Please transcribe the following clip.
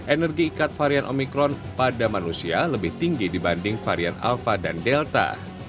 energi ikat varian omikron pada manusia lebih tinggi dibanding varian alpha dan delta